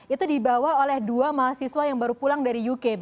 itu dibawa oleh dua mahasiswa yang baru pulang dari uk